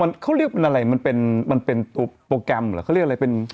มันเขาเรียกมันอะไรมันเป็นมันเป็นตัวโปรแกรมเหรอเขาเรียกอะไรเป็น